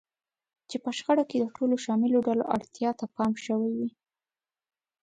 چې په شخړه کې د ټولو شاملو ډلو اړتیا ته پام شوی وي.